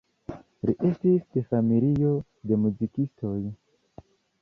Li estis de familio de muzikistoj.